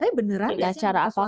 tapi beneran ya cara asal